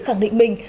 để khẳng định mình